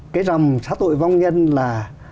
cái rằm xá tội vong nhân là